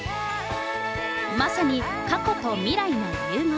まさに過去と未来の融合。